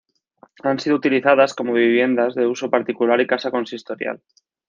Han sido utilizadas como viviendas de uso particular y casa consistorial.